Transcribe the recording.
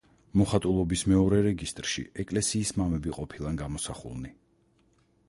მოხატულობის მეორე რეგისტრში ეკლესიის მამები ყოფილან გამოსახულნი.